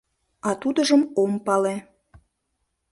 — А тудыжым ом пале.